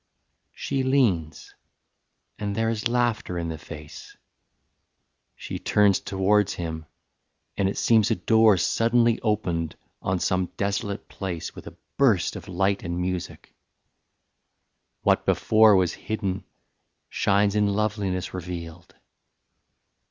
III. She leans, and there is laughter in the face She turns towards him; and it seems a door Suddenly opened on some desolate place With a burst of light and music. What before Was hidden shines in loveliness revealed.